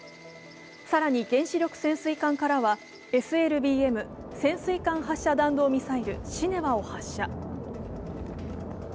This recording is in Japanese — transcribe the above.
更に原子力潜水艦からはＳＬＢＭ＝潜水艦発射弾道ミサイル「シネワ」を発射。